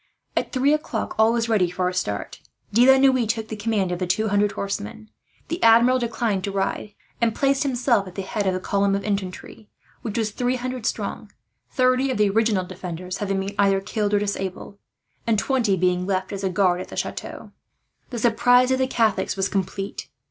At three o'clock all was ready for a start. De la Noue took the command of the two hundred horsemen. The Admiral declined to ride, and placed himself at the head of the column of infantry, which was three hundred strong; thirty of the original defenders having been either killed or disabled, and twenty being left as a guard at the chateau. The surprise of the Catholics was complete.